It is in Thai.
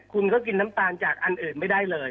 คุณก็กินน้ำตาลจากอันอื่นไม่ได้เลย